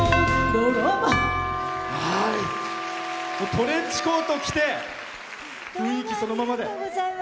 トレンチコートを着て雰囲気そのままで。